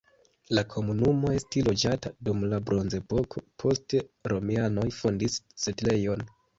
La komunumo estis loĝata dum la bronzepoko, poste romianoj fondis setlejon.